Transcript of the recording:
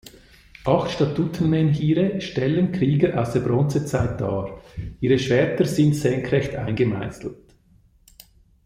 Acht Statuenmenhire stellen Krieger aus der Bronzezeit dar: Ihre Schwerter sind senkrecht eingemeißelt.